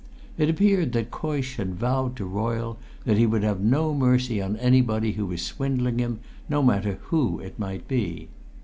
It appeared that Coysh had vowed to Royle that he would have no mercy on anybody who was swindling him, no matter who it might be.